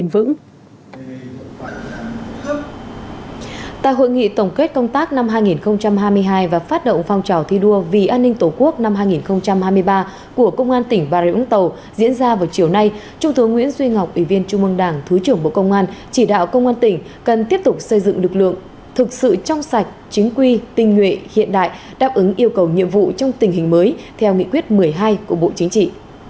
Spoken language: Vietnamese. vì tổng kết công tác năm hai nghìn hai mươi hai và phát động phong trào thi đua vì an ninh tổ quốc năm hai nghìn hai mươi ba của công an tỉnh bà rịa úng tàu diễn ra vào chiều nay trung tướng nguyễn duy ngọc ủy viên trung mương đảng thứ trưởng bộ công an chỉ đạo công an tỉnh cần tiếp tục xây dựng lực lượng thật sự trong sạch chính quy tình nguyện hiện đại đáp ứng yêu cầu nhiệm vụ trong tình hình mới theo nghị quyết một mươi hai của bộ chính trị